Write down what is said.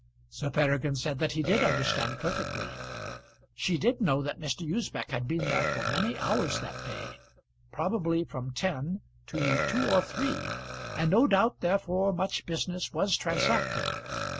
Sir Peregrine said that he did understand perfectly. She did know that Mr. Usbech had been there for many hours that day, probably from ten to two or three, and no doubt therefore much business was transacted.